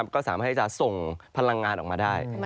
ก็สามารถให้จะส่งพลังงานออกมาได้